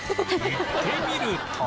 行ってみると